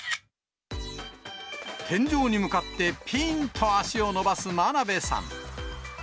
天井に向かってぴんと足を伸ばす真鍋さん。